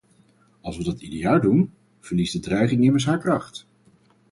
Als we dat ieder jaar doen, verliest de dreiging immers haar kracht.